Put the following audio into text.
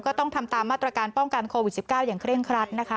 ต้องทำตามมาตรการป้องกันโควิด๑๙อย่างเคร่งครัดนะคะ